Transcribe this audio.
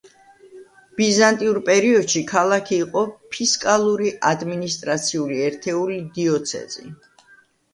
ბიზანტიურ პერიოდში, ქალაქი იყო ფისკალური ადმინისტრაციული ერთეული „დიოცეზი“.